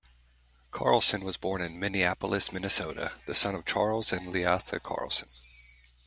Carlson was born in Minneapolis, Minnesota, the son of Charles and Leatha Carlson.